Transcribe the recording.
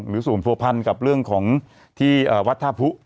หรือส่วนผัวพันธุ์กับเรื่องของที่วัดท่าภู